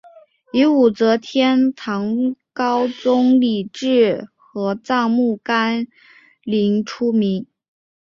以武则天和唐高宗李治合葬墓干陵出名。